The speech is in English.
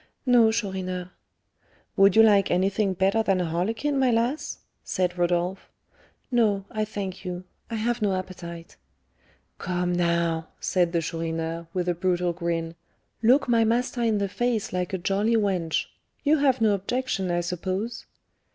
"No, Chourineur." "Would you like anything better than a harlequin, my lass?" said Rodolph. "No, I thank you; I have no appetite." "Come, now," said the Chourineur, with a brutal grin, "look my master in the face like a jolly wench. You have no objection, I suppose?"